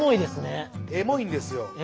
エモいんですよ。